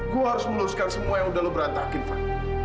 gue harus meluruskan semua yang udah lo berantakin van